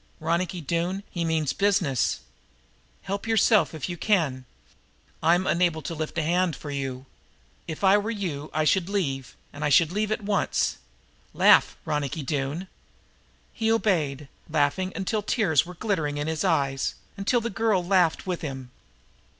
Ronicky Doone, he means business. Help yourself if you can. I'm unable to lift a hand for you. If I were you I should leave, and I should leave at once. Laugh, Ronicky Doone!" He obeyed, laughing until the tears were glittering in his eyes, until the girl laughed with him.